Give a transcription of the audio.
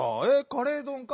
「カレーどん」か？